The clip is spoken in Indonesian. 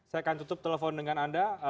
saya akan tutup telepon dengan anda